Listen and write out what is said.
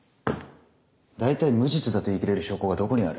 大体無実だと言い切れる証拠がどこにある？